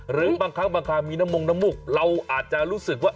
หรือบางครั้งบางครั้งมีน้ำมงน้ำมูกเราอาจจะรู้สึกว่า